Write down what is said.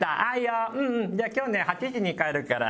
じゃあ今日ね８時に帰るから。